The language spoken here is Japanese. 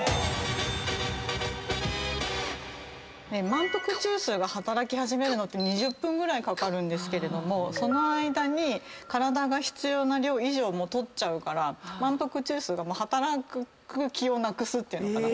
満腹中枢が働き始めるのって２０分ぐらいかかるんですけどもその間に体が必要な量以上取っちゃうから満腹中枢が働く気をなくすっていうのかな。